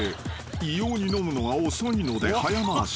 異様に飲むのが遅いので早回し］